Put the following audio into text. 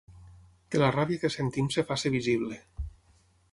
Que la ràbia que sentim es faci visible.